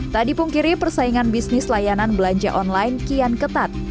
tak dipungkiri persaingan bisnis layanan belanja online kian ketat